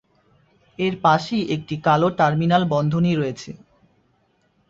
এর পাশেই একটি কালো টার্মিনাল বন্ধনী রয়েছে।